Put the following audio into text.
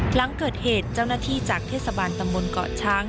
หลังเกิดเหตุเจ้าหน้าที่จากเทศบาลตำบลเกาะช้าง